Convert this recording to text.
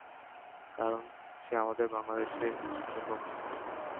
কারণ সে আমাদের বাংলাদেশের জন্য হুমকি।